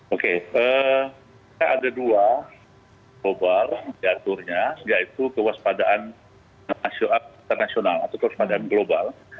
oke kita ada dua global diaturnya yaitu kewaspadaan internasional atau kewaspadaan global